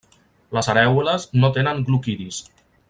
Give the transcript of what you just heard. Les arèoles no tenen gloquidis.